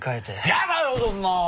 やだよそんなあ！